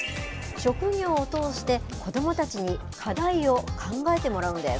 職業を通して、子どもたちに課題を考えてもらうんです。